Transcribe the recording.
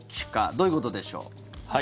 どういうことでしょう。